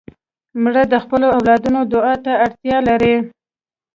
مړه د خپلو اولادونو دعا ته اړتیا لري